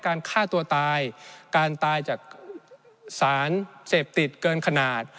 การฆ่าตัวตายการตายจากสารเศรษฐศาสตร์เกินขนาด